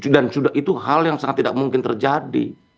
dan itu hal yang sangat tidak mungkin terjadi